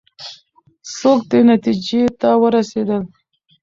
څوک دې نتیجې ته ورسېدل؟